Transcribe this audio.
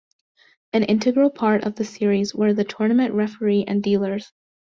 An integral part of the series were the tournament referee and dealers.